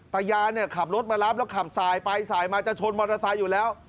ตายาเนี่ยขับรถมารับแล้วขับสายไปสายมาจะชนมอเตอร์ไซค์อยู่แล้ว